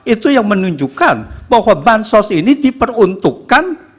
itu yang menunjukkan bahwa bansos ini diperuntukkan